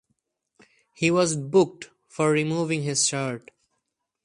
He was booked for removing his shirt.